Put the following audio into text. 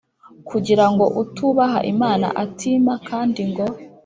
Kugira ngo utubaha Imana atima Kandi ngo